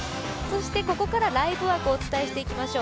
ここからライブ枠をお伝えしていきましょう。